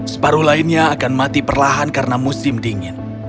separuh lainnya akan mati perlahan karena musim dingin